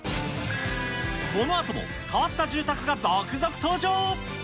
このあとも変わった住宅が続々登場。